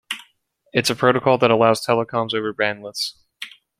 It's a protocol that allows telecoms over bandwidths.